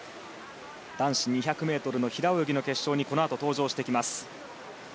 男子２００ｍの平泳ぎの決勝にこのあと登場してきます。